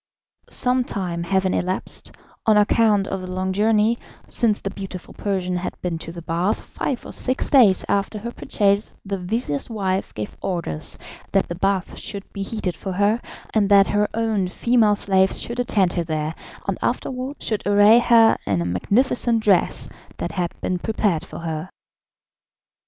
Some time having elapsed, on account of the long journey, since the beautiful Persian had been to the bath, five or six days after her purchase the vizir's wife gave orders that the bath should be heated for her, and that her own female slaves should attend her there, and after wards should array her in a magnificent dress that had been prepared for her.